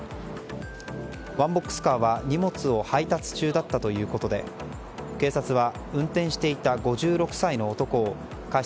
ワンボックスカーは荷物を配達中だったということで警察は運転していた５６歳の男を過失